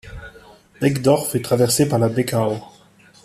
Bekdorf est traversé par la Bekau.